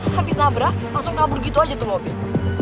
habis nabrak langsung kabur gitu aja tuh mobil